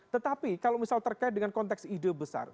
tetapi kalau misal terkait dengan konteks ide besar